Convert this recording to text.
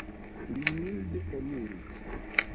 Li milde eniris.